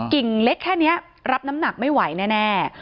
กิ่งเล็กแค่นี้รับน้ำหนักไม่ไหวแน่